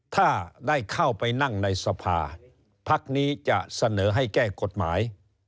ถ้าได้เข้าไปนั่งในสภาพนี้จะเสนอให้แก้กฎหมาย